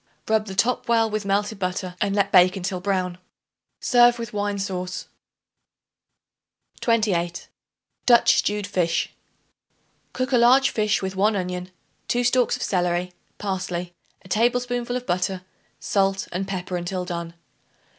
Rub the top well with melted butter and let bake until brown. Serve with wine sauce. 28. Dutch Stewed Fish. Cook a large fish with 1 onion, 2 stalks of celery, parsley, a tablespoonful of butter, salt and pepper until done.